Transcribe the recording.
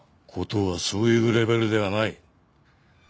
事はそういうレベルではない。